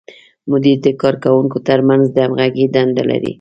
مدیر د کارکوونکو تر منځ د همغږۍ دنده لري.